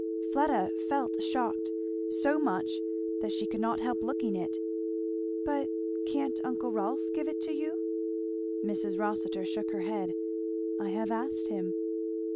Fleda felt shocked so much that she could not help looking it. "But can't uncle Rolf give it you?" Mrs. Rossitur shook her head. "I have asked him."